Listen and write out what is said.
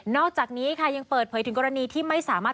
อกจากนี้ค่ะยังเปิดเผยถึงกรณีที่ไม่สามารถ